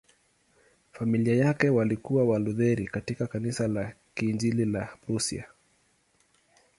Familia yake walikuwa Walutheri katika Kanisa la Kiinjili la Prussia.